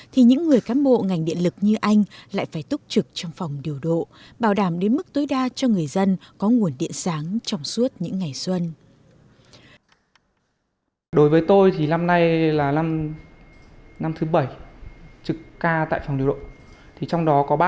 thì những người cám bộ ngành điện lực như anh lại phải túc trực trong phòng điều độ bảo đảm đến mức tối đa cho người dân có nguồn điện sáng trong suốt những ngày xuân